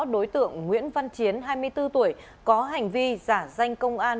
đối tượng nguyễn văn chiến hai mươi bốn tuổi có hành vi giả danh công an